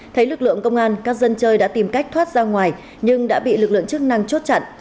thấy lực lượng công an các dân chơi đã tìm cách thoát ra ngoài nhưng đã bị lực lượng chức năng chốt chặn